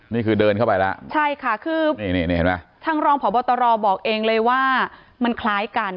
นี่คือเดินเข้าไปล่ะใช่ค่ะคือทางรองผอบตรบอกเองเลยว่ามันคล้ายกัน